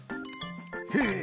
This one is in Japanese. へえ！